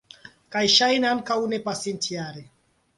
Kaj ŝajne ankaŭ ne pasintjare?